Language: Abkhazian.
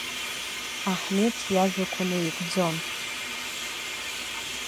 Аҳмеҭ иажәақәа наигӡон.